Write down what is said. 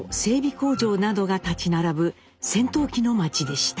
工場などが立ち並ぶ戦闘機の町でした。